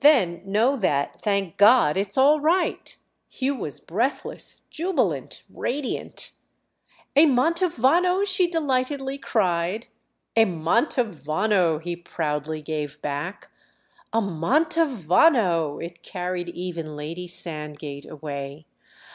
"Then know that, thank God, it's all right!"—Hugh was breathless, jubilant, radiant. "A Mantovano?" she delightedly cried. "A Mantovano!" he proudly gave back. "A Mantovano!"—it carried even Lady Sandgate away.